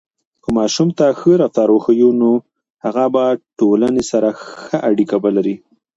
که ماشوم ته ښه رفتار وښیو، نو هغه به ټولنې سره ښه اړیکه ولري.